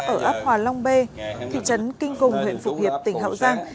ở ấp hòa long bê thị trấn kinh cùng huyện phụ hiệp tỉnh hậu giang